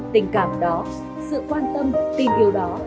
tình cảm đó sự quan tâm tin yêu đó